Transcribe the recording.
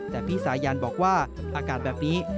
แต่พี่สายันบอกว่าอากาศแบบนี้